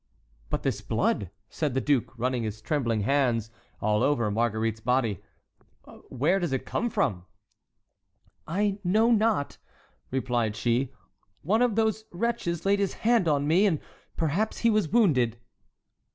"But this blood," said the duke, running his trembling hands all over Marguerite's body. "Where does it come from?" "I know not," replied she; "one of those wretches laid his hand on me, and perhaps he was wounded."